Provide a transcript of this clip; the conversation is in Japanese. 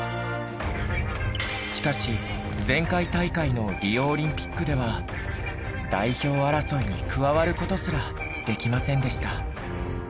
しかし前回大会のリオオリンピックでは代表争いに加わる事すらできませんでした。